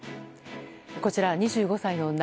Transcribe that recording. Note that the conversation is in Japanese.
こちら、２５歳の女